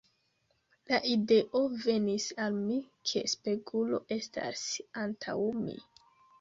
La ideo venis al mi, ke spegulo estas antaŭ mi.